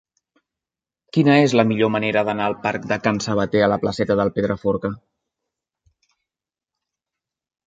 Quina és la millor manera d'anar del parc de Can Sabater a la placeta del Pedraforca?